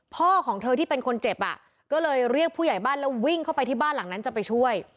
ของเธอที่เป็นคนเจ็บอ่ะก็เลยเรียกผู้ใหญ่บ้านแล้ววิ่งเข้าไปที่บ้านหลังนั้นจะไปช่วย